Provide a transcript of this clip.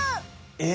え！